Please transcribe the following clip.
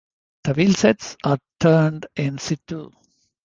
The wheelsets are turned in situ.